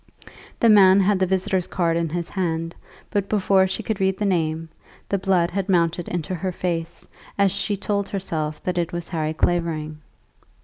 The man had the visitor's card in his hand, but before she could read the name, the blood had mounted into her face as she told herself that it was Harry Clavering.